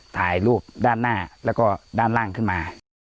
ถ่ายรูปด้านหน้าแล้วก็ด้านล่างขึ้นมา